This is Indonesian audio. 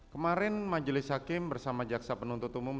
kemarin majelis hakim bersama jaksa penuntut umum